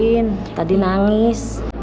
kinda gak ada lagi nunggu deh